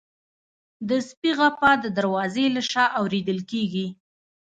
د سپي غپا د دروازې له شا اورېدل کېږي.